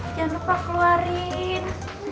jangan lupa keluarin